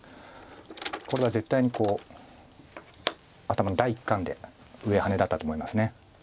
これは絶対に第一感で上ハネだったと思います。